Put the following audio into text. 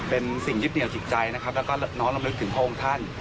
เป็นสิ่งยึดเหนียวจิตใจนะครับแล้วก็น้อมรำลึกถึงพระองค์ท่าน